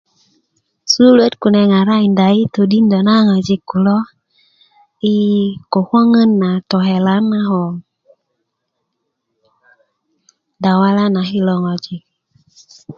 sukuluwöt kune ŋarakinda yi todindö na ŋojik kulo yi ko koŋön na tokelan a ko dawala na kilo ŋojik